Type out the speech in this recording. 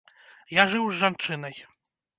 Я жыў з жанчынай.